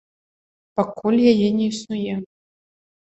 Пакуль яе не існуе.